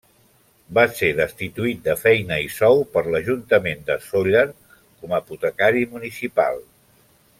Va ser destituït de feina i sou per l'Ajuntament de Sóller com a apotecari municipal.